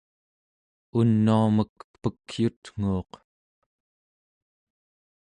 unuamek Pekyutnguuq